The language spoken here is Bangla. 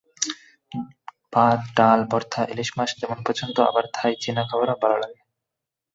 ভাত, ডাল, ভর্তা, ইলিশ মাছ যেমন পছন্দ, আবার থাই-চীনা খাবারও ভালো লাগে।